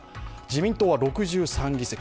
自民党は６３議席。